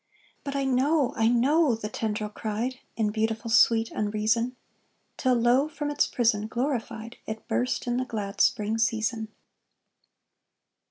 "But I know, I know," the tendril cried, In beautiful sweet unreason; Till lo! from its prison, glorified, It burst in the glad spring season.